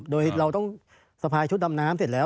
โดยเราต้องสะพายชุดดำน้ำเสร็จแล้ว